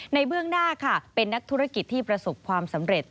เบื้องหน้าค่ะเป็นนักธุรกิจที่ประสบความสำเร็จ